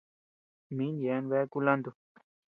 Min yeabean bea kulanto.